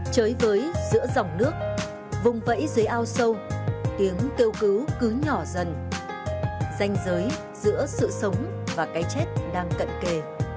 chới với giữa dòng nước vùng vẫy dưới ao sâu tiếng kêu cứu cứ nhỏ dần danh giới giữa sự sống và cái chết đang cận kề